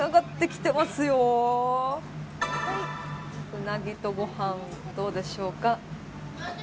ウナギとご飯、どうでしょうか。